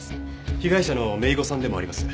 被害者の姪子さんでもあります。